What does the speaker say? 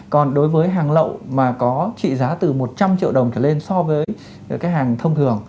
còn đối với hàng lậu mà có trị giá từ một trăm linh triệu đồng trở lên so với cái hàng thông thường